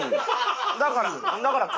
だからだから革。